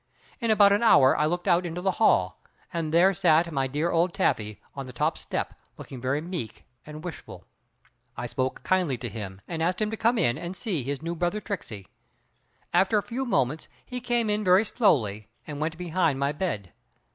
In about an hour I looked out into the hall, and there sat my dear old Taffy on the top step looking very meek and wishful. I spoke kindly to him and asked him to come in and see his new brother Tricksey. After a few moments he came in very slowly and went behind my bed.